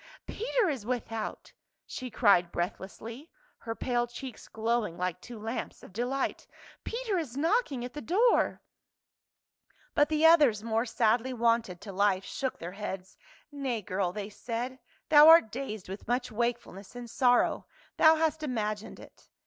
" Peter is without !" she cried breathlessly, her pale cheeks glowing like two lamps of delight. " Peter is knocking at the door !" But the others, more sadly wonted to life, shook their heads. "Nay, girl," they said, "thou art dazed with much wakefulness and sorrow ; thou hast imagined it."